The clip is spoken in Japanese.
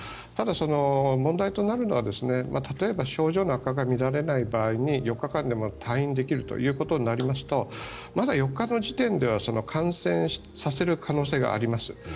ただ、問題となるのは、例えば症状の悪化が見られない場合に４日間でも退院できるということになりますとまだ４日の時点では感染させる可能性があります。